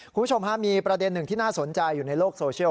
คุณผู้ชมฮะมีประเด็นหนึ่งที่น่าสนใจอยู่ในโลกโซเชียล